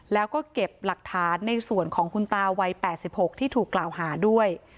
แล้วก็เก็บหลักฐานในส่วนของคุณตาวัย๘๖ที่ถูกกล่าวหาด้วย